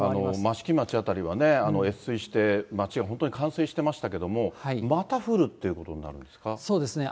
益城町辺りはね、越水して町が本当に冠水してましたけども、また降るっていうことそうですね。